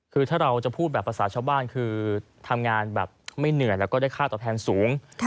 คือถ้าเราจะพูดแบบภาษาชาวบ้านคือทำงานแบบไม่เหนื่อยแล้วก็ได้ค่าตอบแทนสูง